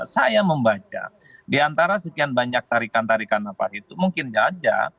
saya membaca diantara sekian banyak tarikan tarikan nafas itu mungkin saja